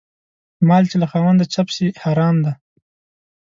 مال چې له خاونده چپ سي حرام دى.